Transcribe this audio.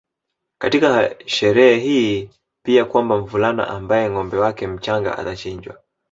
katika sherehe hii pia kwamba mvulana ambaye ngâombe wake mchanga atachinjwa